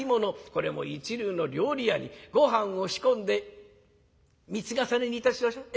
これも一流の料理屋にごはんを仕込んで３つ重ねにいたしましょう。